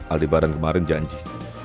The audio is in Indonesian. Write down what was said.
aldibaran kemarin janji